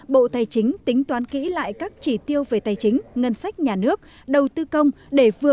bộ tài chính tính toán kỹ lại các chỉ tiêu về tài chính ngân sách nhà nước đầu tư công để vừa